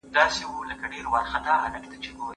څه شی د خلګو سیاسي ګډون پیاوړی کوي؟